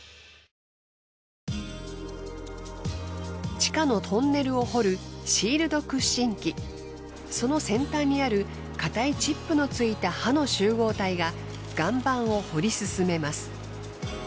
地下のトンネルを掘るその先端にある硬いチップのついた刃の集合体が岩盤を掘り進めます。